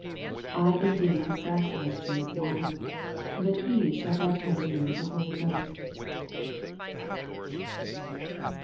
8 I indeed have baptized you with water : but he shall baptize you with the Holy Ghost.